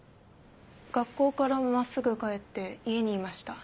学校から真っすぐ帰って家にいました。